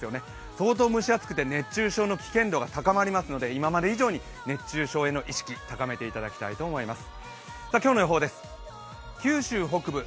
相当蒸し暑くて熱中症の危険度が高まりますので今まで以上に熱中症への意識高めていただきたいと思います。